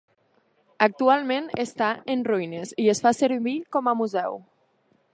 Actualment està en ruïnes i es fa servir com a museu.